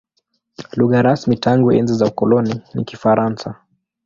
Lugha rasmi tangu enzi za ukoloni ni Kifaransa.